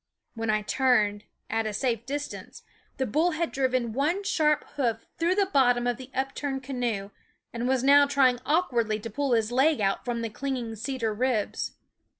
When I turned, at a safe distance, the bull had driven one sharp hoof through the bottom of the upturned canoe, and was now trying awkwardly to pull his leg out from the clinging cedar ribs.